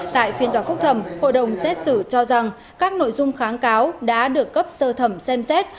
tại phiên tòa phúc thẩm hội đồng xét xử cho rằng các nội dung kháng cáo đã được cấp sơ thẩm xem xét